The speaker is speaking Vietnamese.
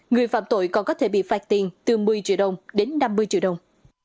người phạm tội còn có thể bị phạt tiền từ một mươi triệu đồng đến năm mươi triệu đồng